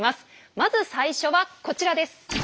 まず最初はこちらです！